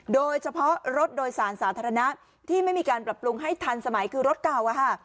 โดยเฉพาะรถโดยสารสาธารณะที่ไม่มีการปรับปรุงให้ทันสมัยคือรถเก่า